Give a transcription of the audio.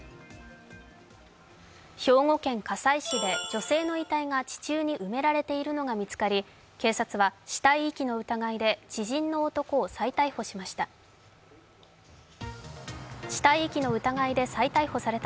兵庫県加西市で女性の遺体が地中に埋められているのが見つかり警察は死体遺棄の疑いで知人の男を再逮捕しました。